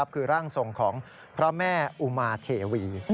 คือร่างทรงของพระแม่อุมาเทวี